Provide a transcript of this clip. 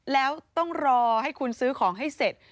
แล้วต้องรอให้คุณซื้อของให้เสร็จ